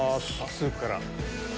スープから。